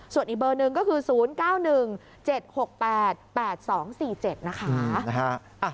ส่วนอีกเบอร์หนึ่งก็คือ๐๙๑๗๖๘๘๒๔๗นะคะ